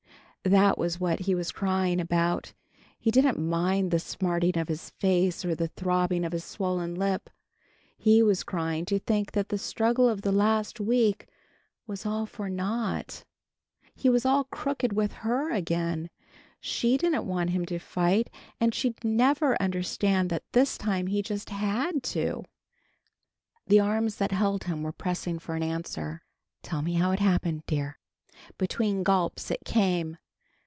That was what he was crying about. He didn't mind the smarting of his face or the throbbing of his swollen lip. He was crying to think that the struggle of the last week was all for naught. He was all crooked with Her again. She didn't want him to fight and she'd never understand that this time he just had to. The arms that held him were pressing for an answer. "Tell me how it happened, dear." Between gulps it came.